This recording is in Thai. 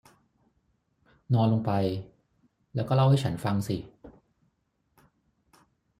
นอนลงไป และก็เล่าให้ฉันฟังสิ